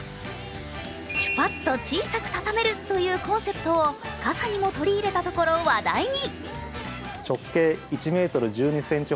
シュパッと小さく畳めるというコンセプトを傘にも取り入れたところ、話題に。